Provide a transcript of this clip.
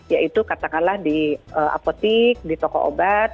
yaitu katakanlah di apotik di toko obat